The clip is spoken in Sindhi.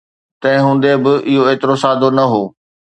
تنهن هوندي به، اهو ايترو سادو نه هو